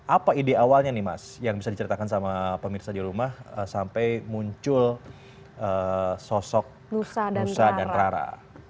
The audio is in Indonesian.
apa ide awalnya nih mas yang bisa diceritakan sama pemirsa di rumah sampai muncul sosok nusa dan rara